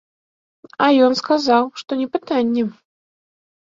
А ён сказаў, што не пытанне.